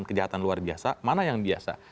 kejahatan luar biasa mana yang biasa